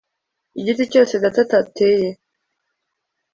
igiti cyose Data atateye